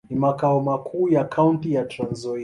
Ni makao makuu ya kaunti ya Trans-Nzoia.